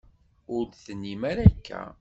Ur d-tennim ara akka.